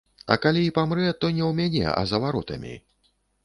А калі і памрэ, то не ў мяне, а за варотамі.